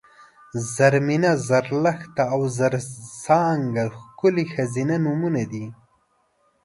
زرمېنه ، زرلښته او زرڅانګه ښکلي ښځینه نومونه دي